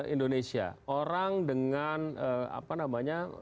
indonesia orang dengan apa namanya